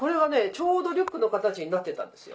ちょうどリュックの形になってたんですよ。